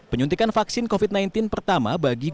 penyuntikan vaksin covid sembilan belas pertama bagi